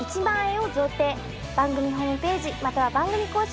番組ホームページまたは番組公式